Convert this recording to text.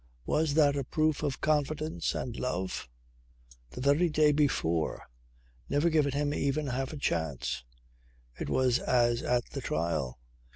Was that a proof of confidence and love? The very day before! Never given him even half a chance. It was as at the trial.